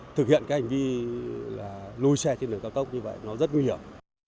thực hiện cái hành vi lùi xe trên đường cao tốc như vậy nó rất nguy hiểm